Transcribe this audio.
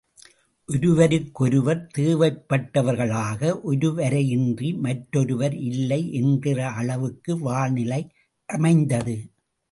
ஒருவருக்கொருவர் தேவைப்பட்டவர்களாக, ஒருவரையின்றி மற்றொருவர் இல்லை என்கிற அளவுக்கு வாழ்நிலை அமைந்தது.